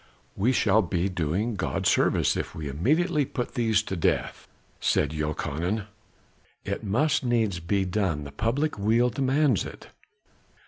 "We shall be doing God service if we immediately put these to death," said Jochanan. "It must needs be done, the public weal demands it."